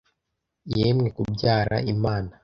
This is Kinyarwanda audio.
yemwe kubyara imana